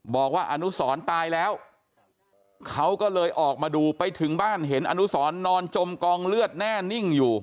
บอกว่าอนุสรตายแล้วเขาก็เลยออกมาดูไปถึงบ้านเห็นอนุสรนอนจมกองเลือดแน่นิ่งอยู่